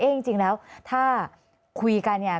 จริงแล้วถ้าคุยกันเนี่ย